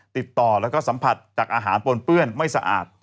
ติดต่อแล้วก็สัมผัสจากอาหารปนเปื้อนไม่สะอาด